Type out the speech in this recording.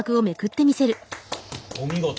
お見事！